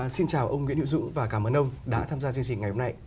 xin chào ông nguyễn hữu dũng và cảm ơn ông đã tham gia chương trình ngày hôm nay